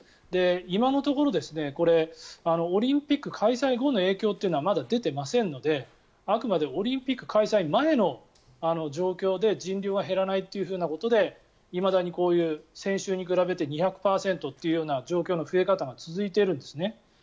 今のところオリンピック開催後の影響というのはまだ、出ていませんのであくまでオリンピック開催前の状況で人流が減らないということでいまだに先週に比べて２００％というような状況の増え方が続いているんですね。